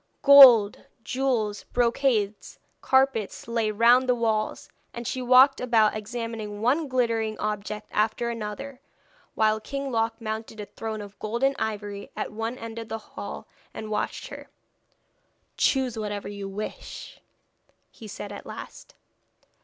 Gold, jewels, brocades, carpets, lay round the walls, and she walked about examining one glittering object after another, while King Loc mounted a throne of gold and ivory at one end of the hall, and watched her. 'Choose whatever you wish,' he said at last.